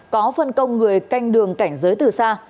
có phân công người canh đường cảnh giới từ xa